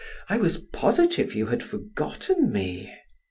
I was positive you had forgotten me."